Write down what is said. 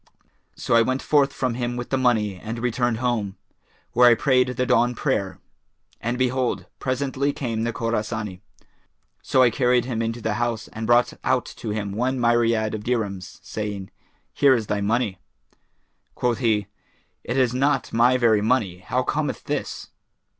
So I went forth from him with the money and returned home, where I prayed the dawn prayer; and behold, presently came the Khorasani, so I carried him into the house and brought out to him one myriad of dirhams, saying, 'Here is thy money.' Quoth he, 'It is not my very money; how cometh this?'